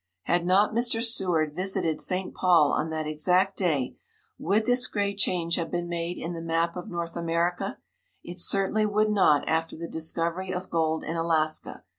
Had not Mr. Seward visited St. Paul on that exact day, would this great change have been made in the map of North America? It certainly would not after the discovery of gold in Alaska.